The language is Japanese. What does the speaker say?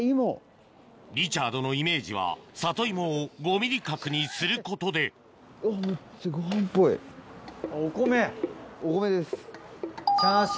リチャードのイメージは里芋を５ｍｍ角にすることでお米。